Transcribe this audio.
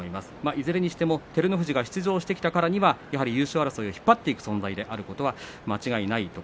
いずれにしても照ノ富士が出場してきたからには優勝争いを引っ張っていく存在であることは間違いありません。